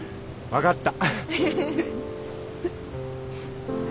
分かった。